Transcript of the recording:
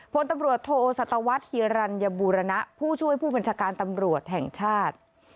พลตำรวจโทสัตวรรษฮิรัญบูรณะผู้ช่วยผู้บัญชาการตำรวจแห่งชาติ